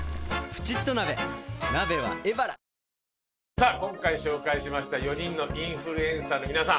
さあ今回紹介しました４人のインフルエンサーの皆さん。